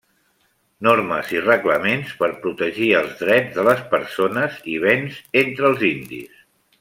Normes i reglaments per protegir els drets de les persones i béns entre els indis.